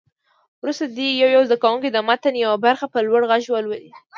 وروسته دې یو یو زده کوونکی د متن یوه برخه په لوړ غږ ولولي.